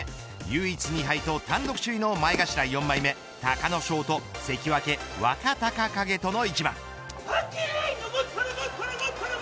唯一２敗と単独首位の前頭四枚目、隆の勝と関脇、若隆景との一番。